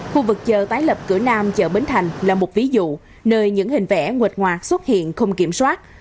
khu vực chờ tái lập cửa nam chợ bến thành là một ví dụ nơi những hình vẽ nguệt ngoạt xuất hiện không kiểm soát